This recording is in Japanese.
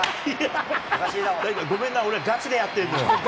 ごめんな、俺、ガチでやってるのよ。